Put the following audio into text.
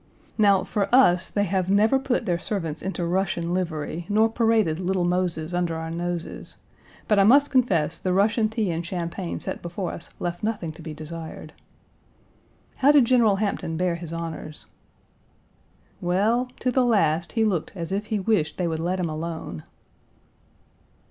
Now for us they have never put their servants into Russian livery, nor paraded Little Moses under our noses, but I must confess the Russian tea and champagne set before us left nothing to be desired. "How did General Hampton bear his honors?" "Well, to the last he looked as if he wished they would let him alone."